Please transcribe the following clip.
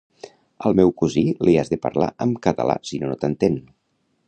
Al meu cosí li has de parlar amb català sinó no t'entén